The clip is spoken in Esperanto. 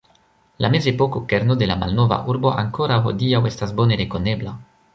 La mezepoko kerno de la malnova urbo ankoraŭ hodiaŭ estas bone rekonebla.